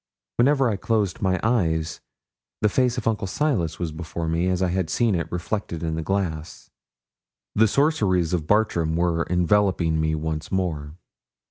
Whenever I closed my eyes, the face of Uncle Silas was before me, as I had seen it reflected in the glass. The sorceries of Bartram were enveloping me once more.